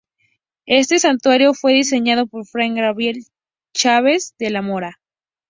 Este santuario fue diseñado por fray Gabriel Chavez De La Mora.